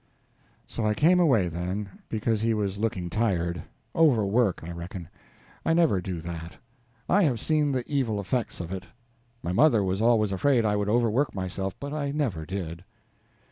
So I came away then, because he was looking tired. Overwork, I reckon; I never do that; I have seen the evil effects of it. My mother was always afraid I would overwork myself, but I never did.